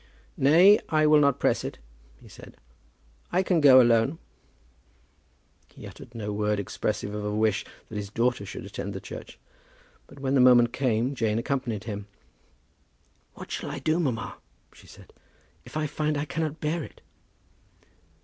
"Nay; I will not press it," he said. "I can go alone." He uttered no word expressive of a wish that his daughter should attend the church; but when the moment came, Jane accompanied him. "What shall I do, mamma," she said, "if I find I cannot bear it?"